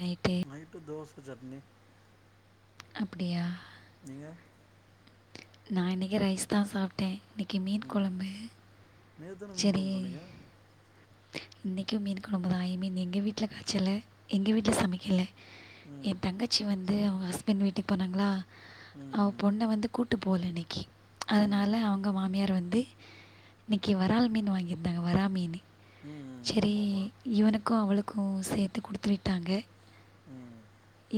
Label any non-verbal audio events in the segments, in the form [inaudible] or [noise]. நை பே நைட்டு தோச சட்னி அப்டியா நீங்க நா இன்னெக்கி ரைஸ் தா சாப்ட்டே இன்னிக்கி மீன் கொழம்பு நேத்தான மீன் கொழம்பு சொன்னீங்க இன்னிக்கு மீன் கொழம்பு தா ஐ மீன் எங்க வீட்ல காச்சல எங்க வீட்ல சமக்கெல ஏ ம் தங்கச்சி வந்து அவ்ங்க ஹஸ்பண்ட் வீட்டுக்கு போனாங்ளா அவ ம் பொண்ண வந்து கூட்டு போல இன்னிக்கி ம் அதனால ம் அ அவ்ங்க மாமியார் வந்து இன்னெக்கி வரால் மீன் வாங்கிர்ந்தாங்க வரா மீனு ம் ம் செரி ஆமா ஆமா இவனுக்கு அவளுக்கு சேர்த்து குடுத்து விட்டாங்க ம்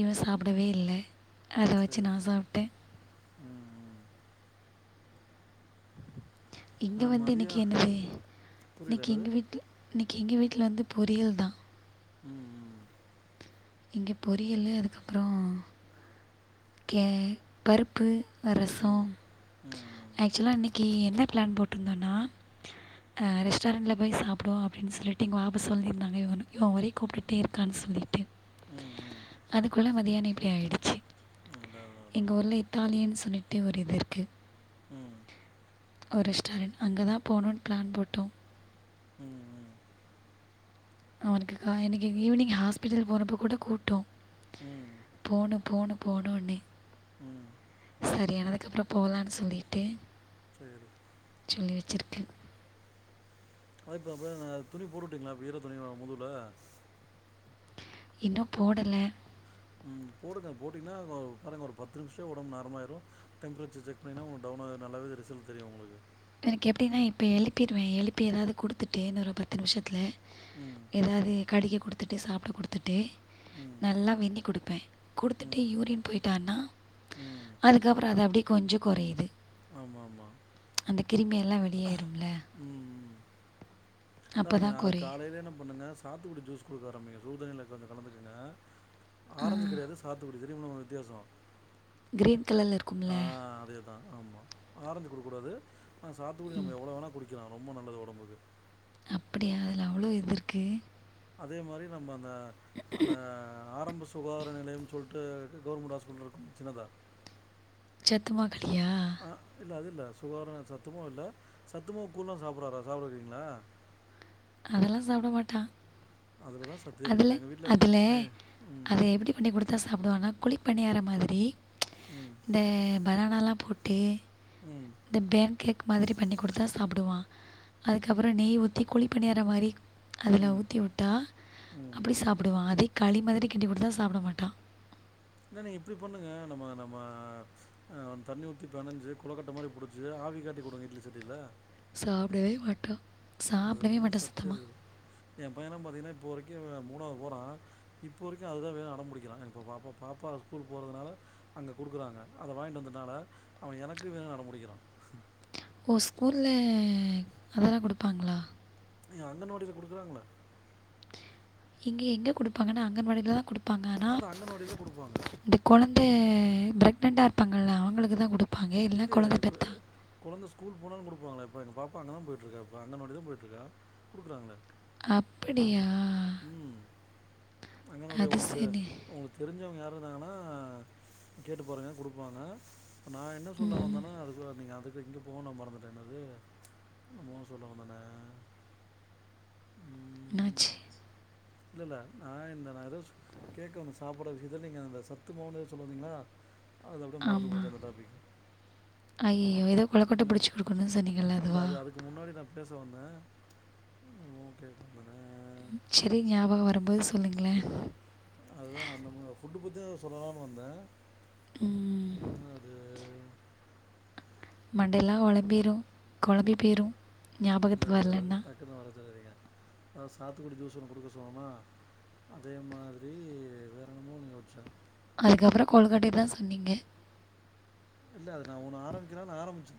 ன்னு சாப்டவே இல்ல அத வச்சு சேரி நா சாப்ட்டே ம் ம் இங்க ஆ வந்து மதியோ இன்னைக்கு என்ன செய் புரியல இன்னைக்கு என்னது எங்க வீட்ல இன்னிக்கி எங்க வீட்ல வந்து பொறியல் தா ம் ம் இங்க பொறியல்லு அதுக்கப்றோ கே பருப்பு ம் ரசம் ம் ஆக்சுலா இன்னிக் ஏ என்ன பிளான் போட்ருந்தோனா அ ரெஸ்டாரண்ட்ல போய் சாப்டுவோ அப்டின்னு சொல்லிட்டு இங்க வாப்பஸ் வாங்கிருந்தாங்க இவனு இவன் ஒரே கூப்ட்டுட்டே இருக்கான்னு சொல்லிட்டு ம் ம் ம் அதுக்குள்ள மதியானோ இப்டி ஆயிடுச்சு அதா அதா அதா எங்க ஊர்ல இத்தாலியன்னு சொல்லிட்டு ஒரு இது இருக்கு ம் ஒரு ரெஸ்டாரண்ட் அங்கதா போணுனு பிளான் போட்டோ ம் ம் அவனுக்கு கா இன்னைக்கு ஈவ்னீங் ஹாஸ்பிட்டல் போறப்போ கூட கூப்ட்டோ ம் போணு போணு போனொண்ணே ம் சரியானதுக்கப்றோ போலான்னு சொல்லிட்டு சேரி சொல்லி வெச்சிருக்கேன் ஹாய் பாப்பா நா துணி போட்டுவிட்டீங்ளா ஈற துணிய முதுகுல இன்னும் போடல போடுங்க போட்டிங்கன்னா பாருங்க ஒரு பத்து நிமிஷோ ஒடம்பு நார்மலாயிடு டெம்ப்ரேச்சர் செக் பண்ணினா உங்க டவுனானது நல்லாவே ரிசல்ட் தெரியு உங்ளுக்கு எனக்கு எப்டினா இப்ப எழுப்பிருவேன் எழுப்பி எதாவது குடுத்துட்டு இன்னொரு பத்து நிமிஷத்துல ம் எதாவது கடிகக குடுத்துட்டு சாப்ட குடுத்துட்டு ம், நல்லா வெந்நீ குடுப்ப குடுத்துட்டு ம், யூரின் போயிட்டானா ம். அதுக்கப்றோ அது அப்டியே கொஞ்சோ கொறையுது ஆமாமா அந்த கிருமியெல்லா வெளியேருமல்ல ம் பாருங்க தான் நாளைக்கு குறையும் காலைல என்ன பண்ணுங்க சாத்துக்கொடி ஜூஸ் குடுக்க ஆரம்பிங்க சுடு தண்ணில கொஞ்சோ கலந்துக்கங்க ஆரஞ்சு கெடையாது சாத்து இப்ப தெரியுமல்ல உங்ளுக்கு வித்தியாசோ க்ரீன் கலரில் இருக்கும்ல ஆ அதே அதா ஆமா ஆரஞ்சு குடுக்கூடாது ஆனா சாத்துக்குடி நம்ம எவ்ளோ வேணா குடிக்கலா ரொம்ப நல்லது ஒடம்புக்கு அப்டியா அதுல அவ்ளோ இது இருக்கு அதே மாரி நம்ம அந்த அந்த ஆரம்ப சுகாதார நிலையம் சொல்ட்டு கவர்மெண்ட் ஹாஸ்பிட்டல் இருக்கும் சின்னதா சத்துமா களியா ஆ இல்ல அதில்ல சுகாதாரோ சத்துமாவு இல்ல சத்துமா கூழா சாப்ட்றாரா சாப்டுவீங்ளா அதெல்லா சாப்பட மாட்டான் அதுலதா சத்தே அதில் இருக்குது எங்க வீட்ல அதில் எ ம் அதை எப்படி பண்ணி குடுத்தா சாப்டுவானா குழி பணியாற மாதிரி ம் அந்த பனானால்லா போட்டு ம் இந்த பேன் கேக் மாதிரி பண்ணி குடுத்தா சாப்டுவான் அதுக்கப்றோ நெய் ஊத்தி குழி பணியாற மாரி அதுல ம் ஊத்தி விட்டா ம் அப்டி சாப்டுவான் அதே களி மாதிரி கிண்டி குடுத்தா சாப்ட மாட்டான் இன்னொன்னு இப்டி பண்ணுங்க நம்ம நம்ம ஆ தண்ண ஊத்தி பெனஞ்சு கொளக்கட்ட மாரி புடுச்சு ஆவிகாட்டி குடுங்க இட்லி சட்டில சாப்டவே மாட்டா அதுலதா சத்தே இருக்குது என் பையன பாத்தீங்கன்னா இப்போ வரைக்கு மூணாவது போறான் இப்போ வரைக்கு அதுதா வேணு அடம் புடிக்கிறான் இப்ப பாப்பா பாப்பா ஸ்கூல் போறதுனால அங்க குடுக்கறாங்க அத வாங்கிட்டு வந்தனால அவன் எனக்கு வேணுன்னு அடம்புடிக்கிறான் ஓ ஸ்கூல்ல அதெல்லாம் குடுப்பாங்ளா நீ அந்த நோட்டீஸ் கொடுக்குறாங்களா இங்கே எங்கே கொடுப்பாங்கன்னா அங்கன்வாடில தான் கொடுப்பாங்க ஆனா அது அங்கன்வாடில குடுப்பாங்க இந்த கொழந்த பிரெக்னன்ட்டா இருப்பாங்கல்ல அவங்களுக்கு தான் கொடுப்பாங்க இல்ல இல்லயே கொழந்த இப்ப பெத்தா கொழந்த ஸ்கூல் போனாலு கொடுப்பாங்க இப்ப எங்க பாப்பா அங்க தான் போயிட்டுருக்கா இப்ப அங்கன்வாடி தான் போய்ட்டுருக்கா குடுக்குறாங்களே அப்டியா ம் அங்கன்வாடியா அது உங்களுக்கு சரி உங்களுக்கு தெரிஞ்சவங்க யாரு இருந்தாங்கன்னா கேட்டு பாருங்க குடுப்பாங்க நா என்ன சொல்ல ம் வந்தேன்னா அதுக்குள்ள நீங்க அதுக்கு போயிட்டீங்க ஃபோன மறந்துட்டேன் என்னது என்னமோ சொல்ல வந்தனே என்னாச்சு இல்ல இல்ல நான் [unintelligible] கேக்க ஒன்னு சாப்டற விஷயத்தில் நீங்கள் அந்த சத்து மாவு சொல்லீந்திங்கன்னா ஆமாம் அய்யய்யோ ஏதோ கொழக்கட்ட புடிச்சு கொடுக்கணுன்னு சொன்னிங்ல இல்ல அதுவா அது அதுக்கு முன்னாடி நான் பேச வந்தேன் ஓ கே சேரிங்க ஞாபகோ வரும்போது சொல்லுங்ளே அதுதான் நான் அந்த ஃபுட்டு பத்தி சொல்லலாம்னு வந்தேன் ம் ம், அது மண்டையெல்லாம் கொழம்பிரும் கொழம்பி பேயிரும் ஞாபகத்துக்கு வரலன்னா [unintelligible] நா சாத்துக்குடி ஜூஸ் ஒன்னு குடுக்க சொன்னேனா அதே மாத்ரி வேற என்னமோ ஒன்னு யோஸ்ச்சேன் அதுக்கப்றம் கொலுக்கட்டைய தான் சொன்னீங்க இல்ல அது நா ஒண்ணு ஆரம்பிக்கிறா நா ஆரம்பிச்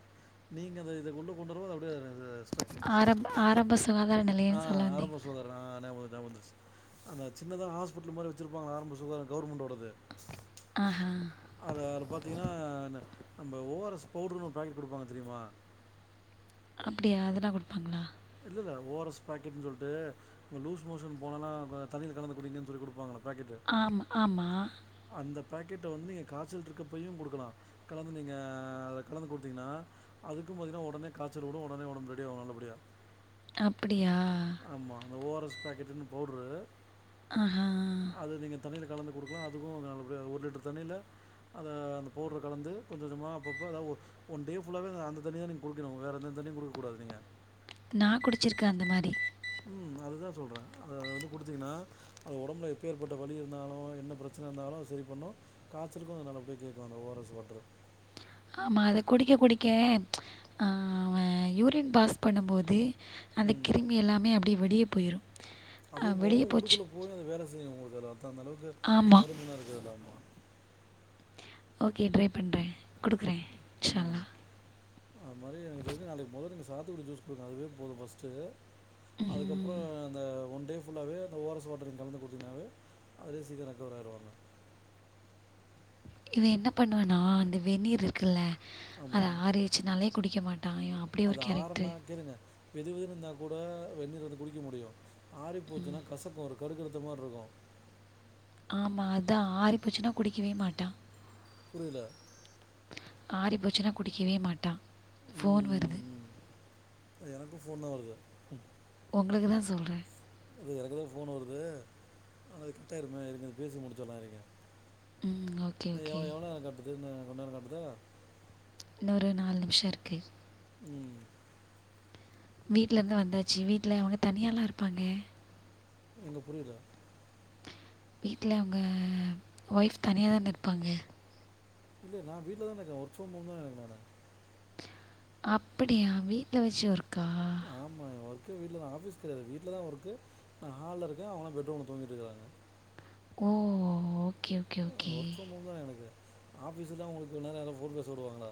நீங்க அத இத கொண்டு கொண்டு வரும்போது அப்டியே ஆரம் ஆரம்ப சுகாதார ஆ நெலையெனு சொல்ல வந்திங்ளா [unintelligible] அந்த சின்னதா ஹாஸ்பிட்டல் மாரி வச்சிருப்பாங்க ஆரம்ப சுகாதார கவர்மெண்ட்டோடது ஆ ஹா அத அது பாத்திங்கன்னா ந நம்ம ஓஆர்எஸ் பவுடுர்னு ஒரு பாக்கெட் கொடுப்பாங்க தெரியுமா அப்டியா அதெல்லா கொடுப்பாங்களா இல்ல இல்ல ஓ ஆர் எஸ் பாக்கெட்ன்னு சொல்லிட்டு லூஸ் மோஷன் போனானா தண்ணில கலந்து குடீங்கன்னு சொல்லி கொடுப்பாங்களே பாக்கெட்டு ஆம் ஆமா அந்த பாக்கெட் வந்து நீங்க காய்ச்சல் இருக்கப்பையு குடுக்கலா கலந்து நீங்க அத கலந்து குடுத்தீங்னா அதுக்கும் பாத்தீங்னா ஒடனே காச்சல் வரும் ஒடனே ஒடம்பு ரெடி ஆவும் நல்லபடியா அப்டியா ஆமா அந்த ஓ ஆர் ரஎஸ் பாக்கெட்டுன் பவுட்ரு ஆஹா அது நீங்கள் தண்ணியில கலந்து கொடுக்கலாம் அதுக்கும் ஒரு லிட்டர் தண்ணியில அதை அந்த பவுட்ரை கலந்து கொஞ்சம் கொஞ்சமாக அப்பப்போ ஒன் டே புல்லாவே அந்தண்ணி தான் நீங்க குடுக்கணும் வேற எந்த தண்ணியும் குடுக்க கூடாது நீங்க நான் குடிச்சிருக்கேன் அந்த மாரி ம் அதுதான் சொல்றேன் அது வந்து கொடுத்தீங்கன்னா அது உடம்புல எப்பேர்பட்ட வழி இருந்தாலும் என்ன பிரச்சனை இருந்தாலும் சரி பண்ணும் காச்சலுக்கு நல்லபடிய கேக்குங்க அந்த ஓ ஆர் எஸ் வாட்டரு ஆமா அதை குடிக்க குடிக்க ஆ யூரின் பாஸ் பண்ணும்போது அந்தக் ம். கிருமி எல்லாமே அப்டி வெளிய போய்ரு அதுவு போவு உள்ளுக்குள்ள போய் அது வேல செய்யு உங்களுக்கு ரத்த அந்தளவுக்கு ஆமா. மருந்துனா இருக்கு அதுல்ல ஆமா ஓகே ட்ரை பண்ற ம் அது மாரி எனக் தெரிஞ்சி நாளைக்கு மொதல்ல நீங்க சாத்துக்குடி ஜூஸ் குடிங்க அதுவே போது ஃபஸ்ட்டு ம். அதுக்கப்றோ அந்தா ஒன் டே ஃபுல்லாவே அந்த ஓ ஆர் எஸ் வாட்டரு கலந்து குடுத்தீங்கனாவே அதுலே சீக்கரோ ரெக்கவர் ஆய்ருவாங்க இவன் என்ன பண்ணுவனா அந்த வெந்நீர் இருக்குல்ல அது ஆமாம் ஆறிருச்சுனாலே குடிக்க மாட்டா இவன் அப்டி ஒரு கேரக்ட்ரு தெருங்க வெதுவெதுன்னு இருந்தா கூட வெந்நீர் வந்து குடிக்க முடியு ஆரி போச்சுனா கசக்கு ஒரு கடுகடுத்த மாரி இருக்கு ஆமா அதா ஆறிப்போச்சுனா குடிக்கவே மாட்டா புரில ஆறி போச்சுனா குடிக்கவே மாட்டான் போன் வருது ஆ எனக்கு போன் தா வருது ம் உங்களுக்கு தா சொல்ற அது எனக்குதா போன் வருது ஆனா இது கட்டாயிருமே இருங்க இத பேசி முடிச்சுர்லா இருங்க ம். ஓகே, இன்னு ஓகே. எவ் எவ்ளோ நேரம் காட்டுது இன்னு கொஞ்ச நேரோ கட்டுதா இன்னு ஒரு நாலு நிமிஷம் இருக்கு ம் வீட்ல இருந்து வந்தாச்சு வீட்ல அவுங்க தனியாலா இருப்பாங்க எங்க புரில வீட்ல உங்க ஒய்ஃப் தனியாதான இருப்பாங்க இல்லையே நா வீட்ல தா இருக்க ஒர்க் ஃப்ரம் கோம் தா எனக்கு நானு அப்படியா வீட்ல வச்சு ஒர்க்கா ஆமா ஒர்க் வீட்லதா ஆபீஸ் கெடையாது வீட்ல தா ஒர்க்கு நா ஹால்ல இருக்க அவங்கெல்லா பெட்ரூம்ல தூங்கிட்டுருக்காங்க ஓ ஓகே ஓகே ஓகே தா எனக்கு ஆபீஸ்ல்லா உங்களுக்கு இவ்ளோ நேர போன் பேச விடுவாங்களா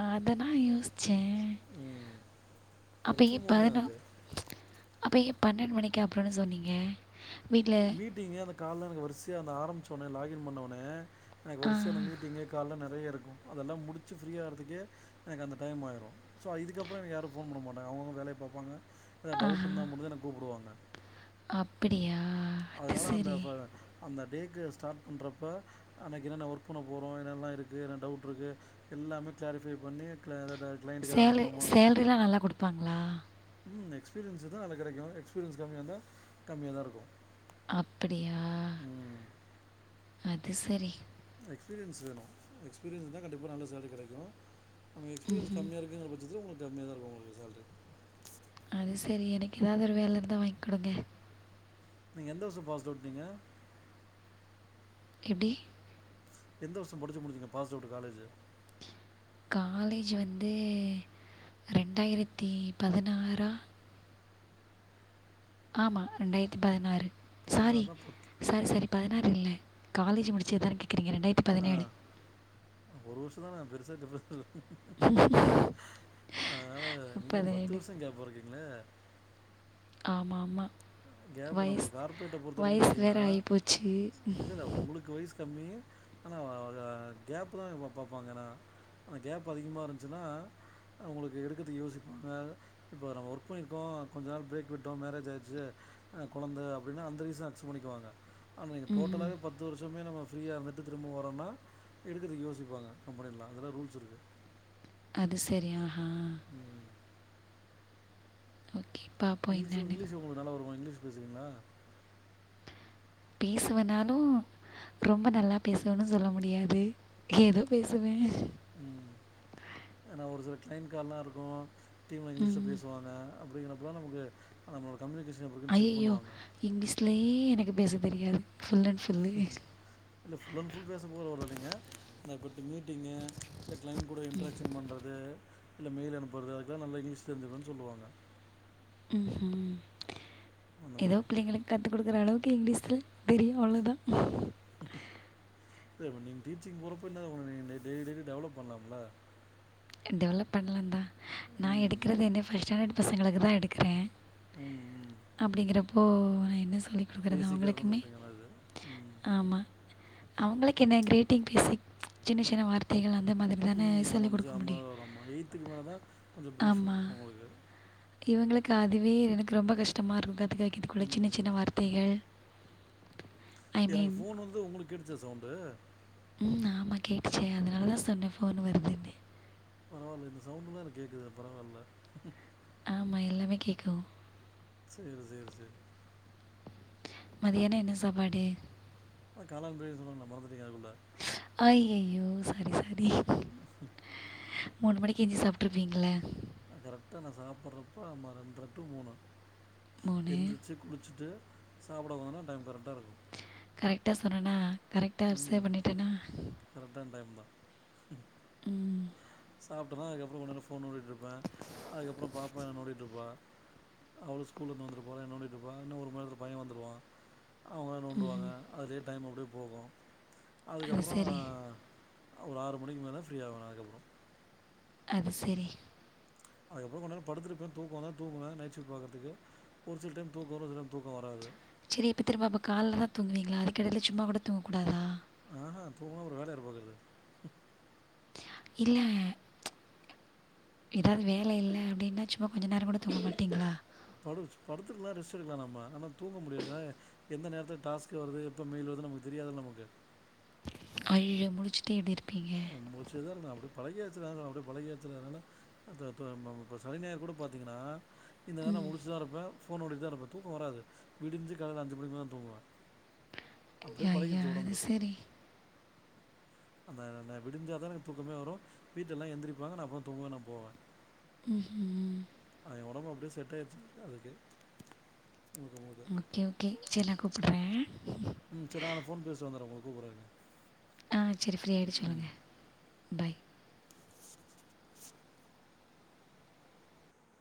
அத தா யோசிச்ச ம் ஒர்க் ஃபர்ம் ஹோம் தா இது அப்ப ஏன் பன்னெண்டு மணிக்கு அப்றோன்னு சொன்னீங்க வீட்ல மீட்டிங்கு அந்த கால்ல எனக்கு வரிசையா அந்த ஆரம்பிச்சவுனே லாக்கின் பண்ணோனே எனக்கு ஆ, வரிசைய அந்த மீட்டிங் கால்ல நெறைய இருக்கு அதெல்லா முடிச்சு ஃப்ரீயா ஆகுறதுக்கே எனக்கு அந்த டைம் ஆயிரு சோ இதுக்கப்றோ எனக்கு யாரு போன் பண்ண மாட்டாங்க அவுங்கவுங்க வேலைய பாப்பாங்க ஏதா டவுட் இருந்தா மட்டு தா என்ன கூப்டுவாங்க அப்பிடியா அதனால அந்த அந்த டேக்கு ஸ்டார்ட் பண்றப்ப அன்னைக்கு என்னென்ன ஒர்க் பண்ண போறோ என்னெல்லா இருக்கு என்ன டவுட் இருக்கு எல்லாமே கிளாரிஃபை பண்ணி கிளாயிரா சேல சேலரில்லா நல்லா குடுப்பாங்ளா ம் எக்ஸ்பீரியன்ஸு தா அதுல கெடைக்கு எக்ஸ்பீரியன்ஸ் கம்மியா இருந்தா கம்மியா தா இருக்கு அப்படியா அது செரி எக்ஸ்பீரியன்ஸ் வேணு எக்ஸ்பீரியன்ஸ் இருந்தா கண்டிப்பா நல்ல சேல்ரி கெடைக்கு நம்ப எக்ஸ்பீரியன்ஸ் ம்ஹ்ம். கம்மியா இருக்குங்ற பட்சத்தில உங்களுக்கு கம்மியா தா இருக்கு உங்களுக்கு சேல்ரி அது சேரி எனக்கு எதாவ்து ஒரு வேல இருந்தா வாய்ன் குடுங்க நீங்க எந்த வர்ஷோ பாஸ்டவுட் நீங்க எப்டி எந்த வர்ஷோ படிச்சு முடிச்சிங்க பாஸ் அவுட்டு காலேஜ்ஜு காலேஜ் வந்து ரெண்டாயிரத்தி பதினாறா ஆமா ரெண்டாயிரத்தி பதினாறு சாரி பதினாறுனா பத்து சாரி சாரி பதினாறு இல்ல காலேஜ் முடிச்சதுதானே கேக்குறீங்க ரெண்டா ஆ ஒரு வர்ஷோ தானே பெருசா டிஃப்ரன்ஸ் இல்ல இ [unintelligible] அதனால நீங்க பத்து வர்ஷோ கேப்பா இருக்கீங்ளே ஆமாமா கேப்பு நம்ம கார்ப்ரேட்ட பொறுத்த வரைக்கு பாத்தீங்கன்னா வேறு ஆகிப்போச்சு இல்ல இல்ல ஒங்களுக்கு வய்சு கம்மி ஆனா கேப்பு தா பப்பப் பாங்கன்னா அந்த கேப் அதிகமா இருந்துச்சுன்னா அவுங்களுக்கு எடுக்கது யோசிப்பாங்க இப்போ நம்ம ஒர்க் பண்ணிருக்கோ கொஞ்ச நாள் பிரேக் விட்டோ மேரேஜ் ஆய்ட்ச்சு ஆ கொழந்த அப்டின்னா அந்த ரீசன் அக்சப்ட் பண்ணிக்குவாங்க ஆனா நீங்க ம் டோட்டலாவே பத் த்து வர்ஷமே நம்ம ஃப்ரீயா இருந்துட்டு திரும்ப வரோனா எடுக்கதுக்கு யோசிப்பாங்க கம்பெனிலலா அதல்லா ரூல்ஸ் இருக்கு அது செரி ஆ ஹா ம் ஓகே பா இங்கிலீஷோ இங்கிலீஷ் ஒங்களுக்கு நல்ல வருமா இங்கிலீஷ் பேசுவீங்ளா பேசுவேனாலு ரொம்ப நல்லா பேசுவேன்னு சொல்ல முடியாது ஏதோ பேசுவே ம்‌ ஏனா ஒரு சில க்ளைன்ட் கால்லா இருக்கு டீமா இங்கிலீஷ்ல ம். பேசுவாங்க அப்டிங்கறப்பதா நமக்கு நம்ம கம்யூனிகேஷன் எப்டி இரு அய்யய்யோ இங்கிலீஷ்லே எனக்கு பேச தெரியாது ஃபுல் அன்ட் ஃபுல்லு இல்ல ஃபுல் அன்ட் ஃபுல் பேச போல வராதுங்க ஆனா குட்டி மீட்டிங்கு சிலஸ் க்ளைன்ட் கூட இன்ட்ராக்ஷன் பண்றது இல்ல மெயில் அனுப்புறது அதுக்கல்லா நல்ல இங்கிலீஷ் தெரிஞ்சிருக்கணுன் சொல்லுவாங்க ம் ஹும் அந்த எதோ மாதிரி புள்ளைங்களுக் கத்துகுடுக்குற அளவுக்கு இங்லீஷ்ல தெரியு அவ்ளதா இல்ல ப்ப நீங்க டீச்சிங் போறப்ப என்ன உங்ளுக்கு நீங்க டெ டெய்லி டெய்லி டெவலப் பண்லாம்ல டெவலப் பண்லாந்தா நா ம் எடுக்குறது என்ன ஃபர்ஸ்ட் ஸ்டாண்டட் பசங்களுக்குதா எடுக்குறே ம் ம் அப்டிங்கறப்போ நா என்ன சொல்லி குடுக்குறது பேசிக்காக இருக்கும்னு அவுங்களுக்குமே சொல்கிறீங்களா அது ம் ஆமா அவுங்களுக்கு என்ன கிரீட்டிங் பேஸிக் சின்ன சின்ன வார்த்தைகள் அந்த மாத்ரி தான ம் சொல்லிக் குடுக் [unintelligible] எயித்துக்கு மேலதா கொஞ்சோ ப்ரீஃபா இருக்கு ஒங்களுக்கு இவுங்களுக்கு அதுவே எனக்கு ரொம்ப கஷ்டமாருக்கு கத்துக்க வெக்கதுக்குள்ள சின்ன ம் சின்ன ம் வார்த்தைகள் ஐ எனக்கு மீன் ஃபோன் வந்து ஒங்களுக் கேட்டுச்சா சவுண்டு ம் ஆமா கேட்டுச்சே அதனாலதா சொன்னே ஃபோன் வருதுன்னு பரவால்ல இந்த சவுண்டெல்லா எனக்கேக்குதே பரவால்ல ஆமா எல்லாமே கேக்கு சேர் சேர் சேரி மதியானோ என்ன சாப்பாடு அதா காளான் பிரியாணி சொன்னன்ல மறந்துட்டீங்ளா அதுக்குள்ள அய்யய்யோ சாரி சாரி ஸ [unintelligible] மூனு மணிக்கு எஞ்சி சாப்ட்டுருப்பீங்கள கரெக்டா நா சாப்ட்றப்பா அமா ரெண்டர டூ மூனு மூணு எந்திரிச்சு குளிச்சிட்டு சாப்ட உக்காந்தானா டைம் கரெக்டா இருக்கு கரெக்டா சொன்னேன்னா கரெக்டா [unintelligible] பண்ணிட்டேன்னா கரட்க்டான டைம் தா ம் சாப்ட்டன்னா அதுக்கப்பறோ கொஞ்ச நேர ஃபோன் நோன்டிட்டு இருப்பே அதுக்கப்பறோ பாப்பா என்ன நோன்டிட்டு இருப்பா அவ்ளு ஸ்கூல்ல இருந்து வந்துட்டு போலே நோண்டிட்டுப்பா இன்னு ஒரு மண் நேரலத்துல என் பைய வந்துருவா அவ்ங்களா நோண்டுவாங்க அதே டைம் அப்டியே போகு அது அதுக்கப்பறோ சரி ஒரு ஆறு மணிக்குமேல ஃப்ரீயாவ நா அதுக்கப்பறோ அது செரி அதுக்கப்றோ கொண் நேரோ படுத்துருப்ப தூக்கவந்தா தூங்குவ நைட்ஷிஃப்ட்டு பாக்கறதுக்கு ஒரு சில டைம் தூக்கோ வரு ஒரு சிலடைம் தூக்கோ வராது செரி எப்ப திரும்ப அப்போ காலதா தூங்குவீங்ளா அதுக்கெடைல சும்மா கூட தூங்கக்கூடாதா ஆஹாம் தூங்கனா அப்றோ வேல யாரு பாக்கறது இல்ல எதாது வேல இல்ல அப்டீன்னா சும்மா கொஞ்ச நேரங்கூட தூங்க மாட்டீங்களா படு படுத்துத்திருக்லா ரெஸ்ட் எடுக்கலா நம்ப ஆனா தூங்க முடியாது எந்த நேரத்துல டாஸ்க் வருது எப்ப மெயில் வருதுனு நமக்கு தெரியாதுல்ல நமக்கு அய்யயோ முழிச்சுடே எப்டிருப்பீங்க நம்ம முழிச்சேதா இருக்கனு அப்டி பழகியாச்சுல அதனால அப்டி பழகியாச்சுல அதனால அதாஅ தா நம்ம இப்ப சனிஞாயர் கூட பாத்தீங்கன்னா இந்த நேரோ முழிச்சுதா இருப்பே ஃபோன் நேண்டிட்டு தா இருப்பே தூக்க வராது விடிஞ்சி காலைல அஞ்சு மணிக்கு மேல தா தூங்குவே அப்டியே ஐயா ஐயா பழகிருச்சு அது ஒடம்பு சரி அந்த ன்ன விடிஞ்சாதா எனக்கு தூக்கமே வரு வீட்லல்லா எந்திரிப்பாங்க நா அப்பதா தூங்கவே நா போவ ம்ஹ்ம் ஆ எ ஒடம்பு அப்டியே செட் ஆயிருச்சு அதுக்கு [unintelligible] ஓகே ஓகே சேரி நா கூப்பட்ற ம் சேரி நா அதா ஃபோன் பேசிட்டு வந்தர்ற உங்களுக் கூப்பட்ற இருங்க ஆ செரி ஃப்ரீ ஆய்டு ம் சொல்லுங்க பாய்